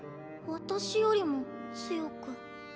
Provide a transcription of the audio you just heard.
私よりも強く？